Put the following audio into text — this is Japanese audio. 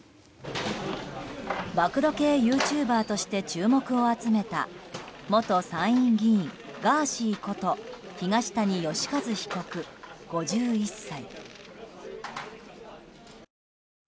暴露系ユーチューバーとして注目を集めた元参院議員、ガーシーこと東谷義和被告、５１歳。